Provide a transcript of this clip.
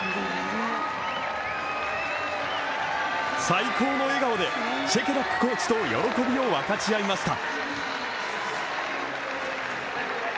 最高の笑顔で、シェケラックコーチと喜びを分かち合いました。